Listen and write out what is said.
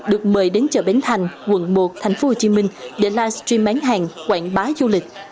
được mời đến chợ bến thành quận một tp hcm để live stream bán hàng quảng bá du lịch